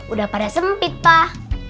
udah pada sempit pak